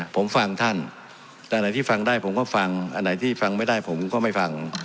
ผมฟังท่านอันไหนที่ฟังได้ผมก็ฟังอันไหนที่ฟังไม่ได้ผมก็ไม่ฟัง